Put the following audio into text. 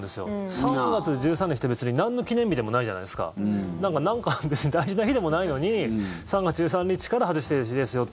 ３月１３日って別になんの記念日でもないじゃないですか。なんかの別に大事な日でもないのに３月１３日から外していいですよって。